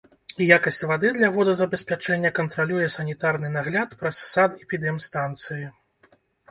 Якасць вады для водазабеспячэння кантралюе санітарны нагляд праз санэпідэмстанцыі.